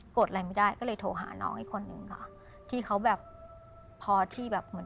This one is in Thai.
กดอะไรไม่ได้ก็เลยโทรหาน้องอีกคนนึง